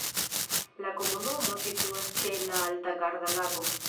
La komunumo situas ĉe la alta Garda-Lago.